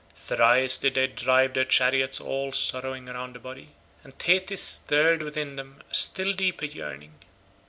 Thrice did they drive their chariots all sorrowing round the body, and Thetis stirred within them a still deeper yearning.